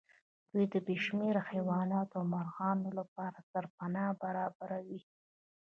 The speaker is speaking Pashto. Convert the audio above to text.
دوی د بې شمېره حيواناتو او مرغانو لپاره سرپناه برابروي.